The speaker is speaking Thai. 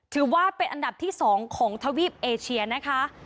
ถือว่าเป็นอันดับที่๒ของทวีปเอเชียนะคะ